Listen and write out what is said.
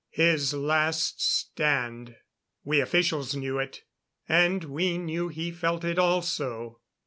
His last stand. We officials knew it. And we knew he felt it also.